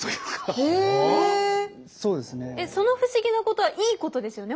その不思議なことはいいことですよね？